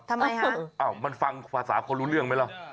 ทำไมฮะมันฟังภาษาคนรู้เรื่องมั้ยหรอก็ได้